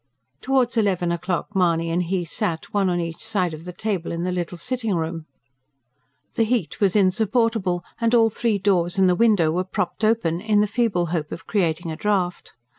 Towards eleven o'clock Mahony and he sat, one on each side of the table, in the little sitting room. The heat was insupportable and all three doors and the window were propped open, in the feeble hope of creating a draught.